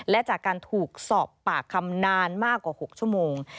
และจากการถูกสอบปากคำนานมากกว่า๖ชั่วโมง